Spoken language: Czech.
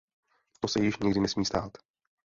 To se již nikdy nesmí stát!